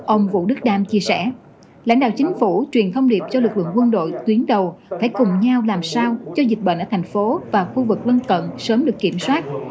ông vũ đức đam chia sẻ lãnh đạo chính phủ truyền thông điệp cho lực lượng quân đội tuyến đầu phải cùng nhau làm sao cho dịch bệnh ở thành phố và khu vực lân cận sớm được kiểm soát